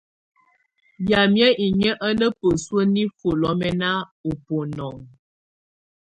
Yámɛ̀á inyǝ́ á ná bǝ́su nifuǝ́ lɔ́mɛ́na ú bunɔŋɔ.